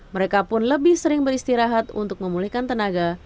mereka pun lebih sering beristirahat untuk memulihkan tenaga